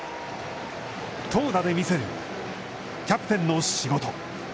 投打で見せる、キャプテンの仕事。